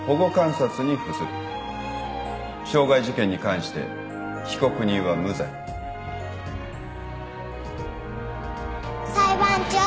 傷害事件に関して被告人は無罪。裁判長。